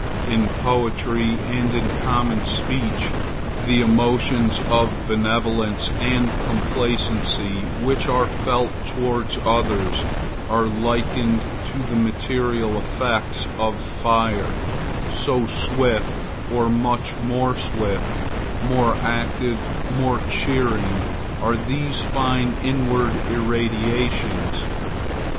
In poetry and in common speech, the emotions of benevolence and complacency which are felt towards others are likened to the material effects of fire; so swift, or much more swift, more active, more cheering, are these fine inward irradiations.